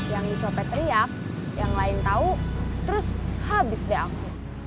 yang dicopet riap yang lain tau terus habis deh aku